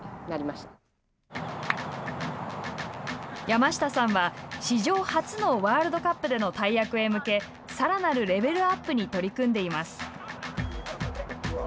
山下さんは、史上初のワールドカップでの大役へ向けさらなるレベルアップに取り組んでいます。